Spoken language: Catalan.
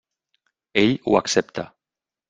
Ell ho accepta.